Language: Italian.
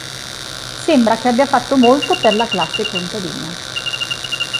Sembra che abbia fatto molto per la classe contadina.